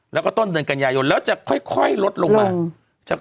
แล้วก็ต้นเดือนกันยายนแล้วจะค่อยลดลงมา